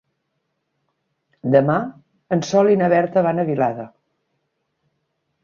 Demà en Sol i na Berta van a Vilada.